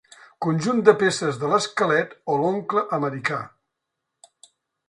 Conjunt de peces de l'esquelet o l'oncle americà.